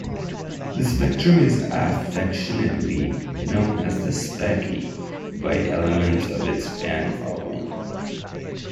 The Spectrum is affectionately known as the "Speccy" by elements of its fan following.